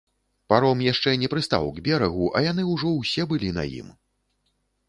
Паром яшчэ не прыстаў к берагу, а яны ўжо ўсе былі на ім.